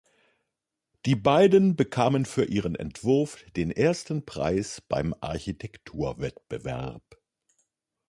Die beiden bekamen für ihren Entwurf den ersten Preis beim Architekturwettbewerb.